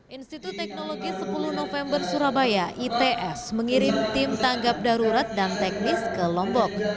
institut teknologi sepuluh november surabaya its mengirim tim tanggap darurat dan teknis ke lombok